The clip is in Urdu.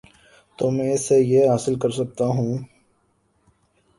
تو میں اس سے یہ حاصل کر سکتا ہوں۔